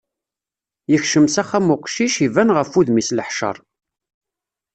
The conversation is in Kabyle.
Yekcem s axxam uqcic, iban ɣef wudem-is leḥcer.